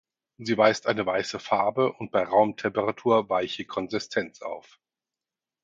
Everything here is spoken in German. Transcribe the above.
Sie weist eine weiße Farbe und bei Raumtemperatur weiche Konsistenz auf.